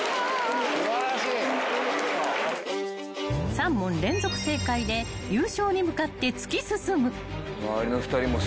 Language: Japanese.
［３問連続正解で優勝に向かって突き進む］